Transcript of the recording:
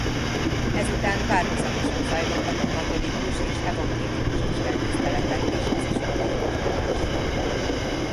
Ezután párhuzamosan zajlottak a katolikus és evangélikus istentiszteletek és az iskolai oktatás.